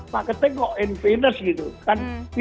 marketing kok in venus gitu kan